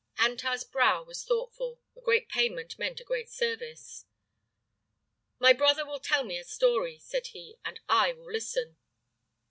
Antar's brow was thoughtful. A great payment meant a great service. "My brother will tell me a story," said he, "and I will listen."